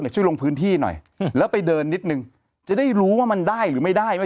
ช่วยลงพื้นที่หน่อยแล้วไปเดินนิดนึงจะได้รู้ว่ามันได้หรือไม่ได้ไหม